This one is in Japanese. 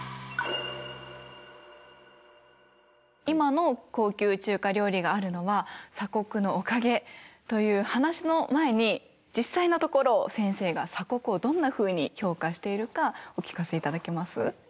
今の高級中華料理があるのは鎖国のおかげという話の前に実際のところ先生が鎖国をどんなふうに評価しているかお聞かせいただけます？